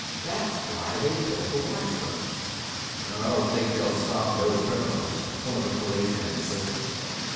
That's why they built the watchbirds." "I don't think they'll stop no criminals," one of the policemen insisted.